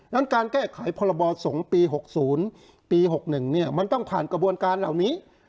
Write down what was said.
นั้นการแก้ไขพรบอสงปีหกศูนย์ปีหกหนึ่งเนี่ยมันต้องผ่านกระบวนการเหล่านี้